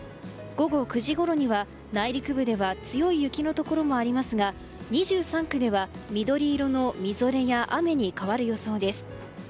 午後９時ごろには内陸部では強い雪のところもありますが２３区では緑色のみぞれや雨に変わる予想です。